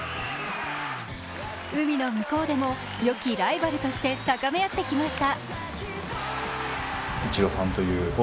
海の向こうでも、よきライバルとして高め合ってきました。